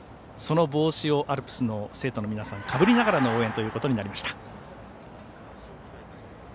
その帽子をアルプスの生徒の皆さんがかぶりながらの応援となりました。